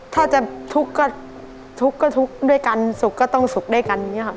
ถ้าจะทุกข์ก็ทุกข์ก็ทุกข์ด้วยกันสุขก็ต้องสุขด้วยกันอย่างนี้ครับ